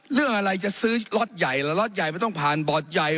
เรื่องอะไรจะซื้อรถใหญ่เราต้องผ่านบอสใหญ่